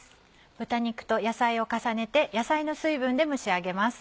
豚肉と野菜を重ねて野菜の水分で蒸し上げます。